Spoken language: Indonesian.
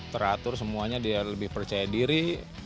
teratur semuanya dia lebih percaya diri